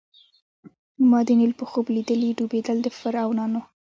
ما د نیل په خوب لیدلي ډوبېدل د فرعونانو